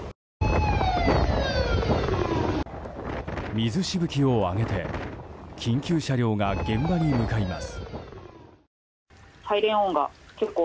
水しぶきを上げて緊急車両が現場に向かいます。